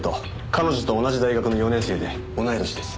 彼女と同じ大学の４年生で同い年です。